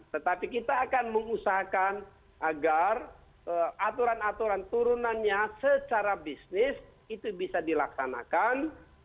tetapi kita akan mengusahakan agar aturan aturan turunannya secara bisnis itu bisa dilaksanakan